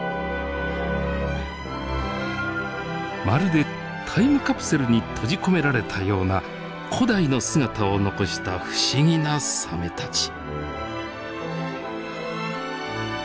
まるでタイムカプセルに閉じ込められたような古代の姿を残した不思議なサメたち。